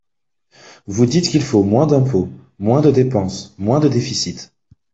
Vous dites qu’il faut moins d’impôts, moins de dépenses, moins de déficit.